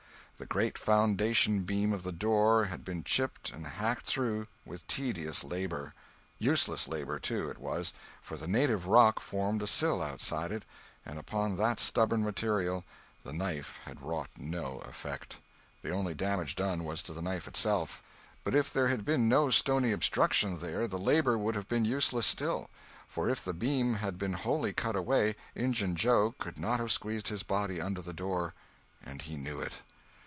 The great foundation beam of the door had been chipped and hacked through, with tedious labor; useless labor, too, it was, for the native rock formed a sill outside it, and upon that stubborn material the knife had wrought no effect; the only damage done was to the knife itself. But if there had been no stony obstruction there the labor would have been useless still, for if the beam had been wholly cut away Injun Joe could not have squeezed his body under the door, and he knew it.